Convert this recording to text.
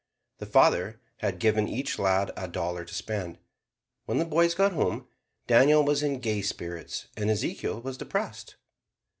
The father had given each lad a dollar to spend. When the boys got home Daniel was in gay spirits and Ezekiel was depressed.